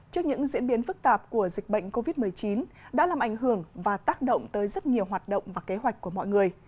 trước những diễn biến phức tạp của dịch bệnh covid một mươi chín đã làm ảnh hưởng và tác động tới rất nhiều hoạt động và kế hoạch của mọi người